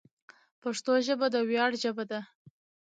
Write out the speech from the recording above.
پښتو ژبه د ویاړ ژبه ده.